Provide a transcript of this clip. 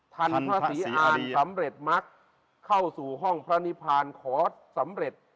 พระศรีอ่านสำเร็จมักเข้าสู่ห้องพระนิพานขอสำเร็จ